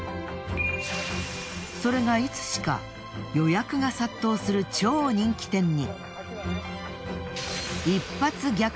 それがいつしか予約が殺到する超人気店に！